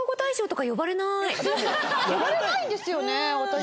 呼ばれないんですよね私たち。